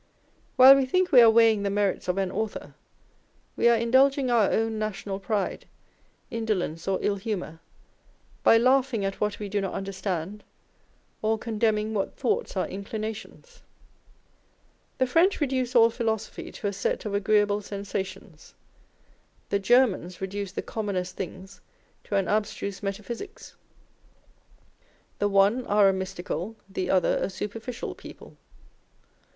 While we think we are weighing the merits of an author, we are indulging our own national pride, indolence, or ill humour, by laughing at what we do not understand, or condemning what thwarts our inclinations. The French reduce all philosophy to a set of agreeable sensations : the Germans reduce the commonest things to an abstruse metaphysics. The one are a mystical, the other a superficial people.